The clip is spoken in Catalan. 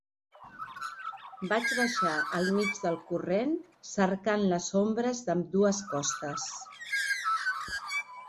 Va baixar al mig del corrent, cercant les ombres d'ambdues costes.